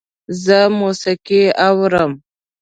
زه موسیقي اورم